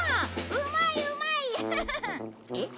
うまいうまい！ハハハ！えっ？